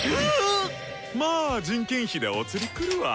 まぁ人件費でお釣りくるわ。